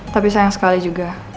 tapi sayang sekali juga